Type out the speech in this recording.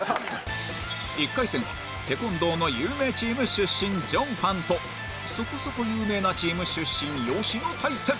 １回戦はテコンドーの有名チーム出身ジョンファンとそこそこ有名なチーム出身ヨシの対戦